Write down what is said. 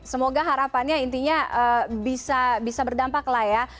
semoga harapannya intinya bisa berdampak lah ya